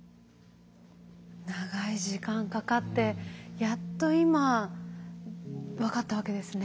長い時間かかってやっと今分かったわけですね。